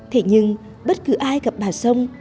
thế nhưng bất cứ ai gặp bà song